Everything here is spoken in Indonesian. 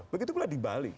begitu pula di bali